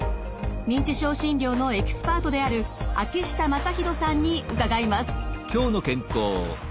認知症診療のエキスパートである秋下雅弘さんに伺います。